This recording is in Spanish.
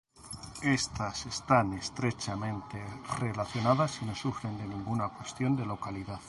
Estas están estrechamente relacionadas y no sufren de ninguna cuestión de localidad.